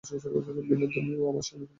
বিনোদিনীও আমার সঙ্গে ফিরিবে।